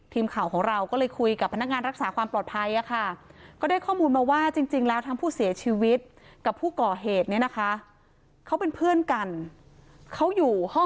ทีมข่าวของเราก็เลยคุยกับพนักงานรักษาความปลอดภัยค่ะ